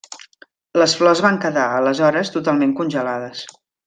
Les flors van quedar, aleshores, totalment congelades.